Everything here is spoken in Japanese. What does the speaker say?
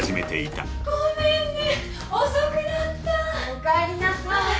おかえりなさい。